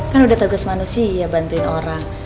kan udah bagus manusia bantuin orang